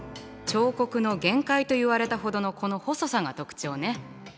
彫刻の限界といわれたほどのこの細さが特徴ね。